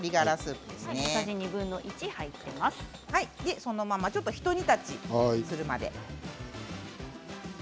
そのまま、ちょっとひと煮立ちするまで。